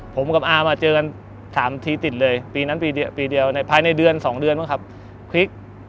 ผมกับอามาเจอกัน๓ทีติดเลยปีนั้นปีเดียวปีเดียวในภายในเดือน๒เดือนบ้างครับพลิก